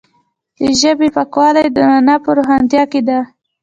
د ژبې پاکوالی د معنا په روښانتیا کې دی.